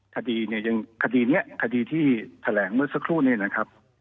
คดีเนี่ยยังคดีนี้คดีที่แถลงเมื่อสักครู่เนี่ยนะครับ